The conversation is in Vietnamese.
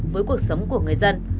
với cuộc sống của anh hưng